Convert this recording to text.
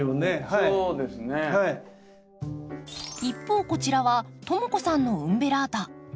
一方こちらはともこさんのウンベラータ。